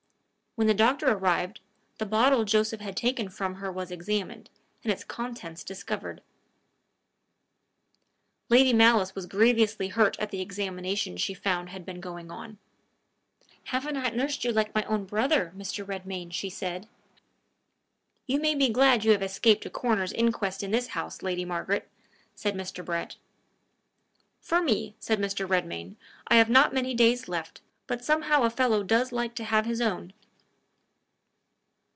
When the doctor arrived, the bottle Joseph had taken from her was examined, and its contents discovered. Lady Malice was grievously hurt at the examination she found had been going on. "Have I not nursed you like my own brother, Mr. Redmain?" she said. "You may be glad you have escaped a coroner's inquest in your house, Lady Margaret!" said Mr. Brett. "For me," said Mr. Redmain, "I have not many days left me, but somehow a fellow does like to have his own!"